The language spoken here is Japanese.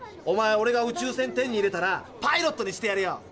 おまえオレが宇宙船手に入れたらパイロットにしてやるよ。